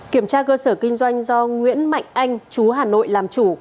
kiểm tra cơ sở kinh doanh do nguyễn mạnh anh chú hà nội làm chủ